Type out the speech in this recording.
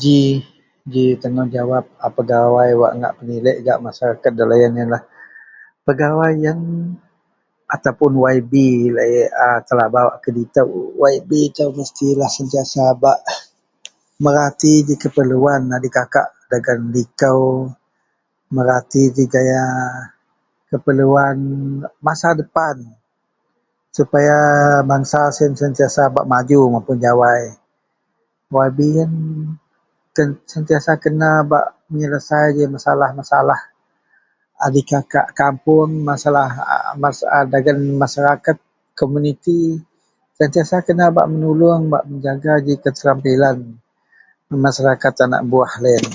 Ji, ji tanggungjawab a pegawai wak ngak penilek gak masaraket deloyen yenlah pegawai yen ataupun YB laei a telabau a keditou, YB itou mestilah sentiasa bak merati ji kepeluan adikakak dagen likou, merati ji gaya kepeluan masa depan supaya bengsa siyen sentiasa bak maju mapun jawai. YB yen sentiasa kena bak menyelesai ji masalah-masalah adikakak kapuong, masalah-masalah dagen masaraket, komuniti. Sentiasa kena bak menuluong bak mejaga ji kesempilan masarakat anak buwah loyen.